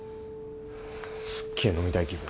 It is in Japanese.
すっげえ飲みたい気分。